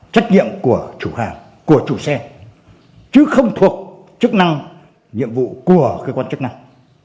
trách nhiệm của chủ hàng của chủ xe chứ không thuộc chức năng nhiệm vụ của cơ quan chức năng